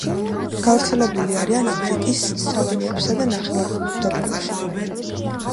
გავრცელებული არიან აფრიკის სავანებსა და ნახევარუდაბნოებში.